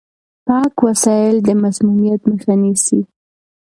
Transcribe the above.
پاک وسايل د مسموميت مخه نيسي.